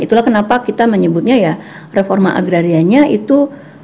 itulah kenapa kita menyebutnya ya reforma agrarianya itu